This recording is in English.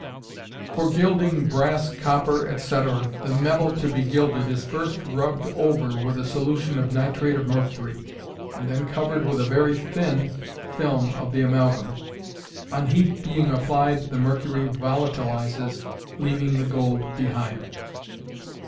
For gilding brass, copper etc. The metal to be gilded is first rubbed over with a solution of nitrate of mercury, and then covered with a very thin film of the amalgam. On heat being applied the mercury volatilizes, leaving the gold behind.